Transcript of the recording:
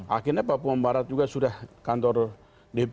akhirnya papua barat juga sudah kantor dpp